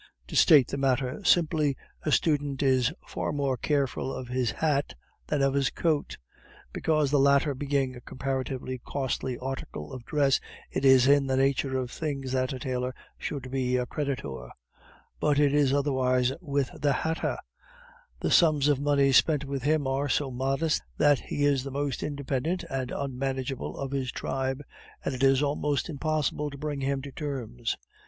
To state the matter simply a student is far more careful of his hat than of his coat, because the latter being a comparatively costly article of dress, it is in the nature of things that a tailor should be a creditor; but it is otherwise with the hatter; the sums of money spent with him are so modest, that he is the most independent and unmanageable of his tribe, and it is almost impossible to bring him to terms.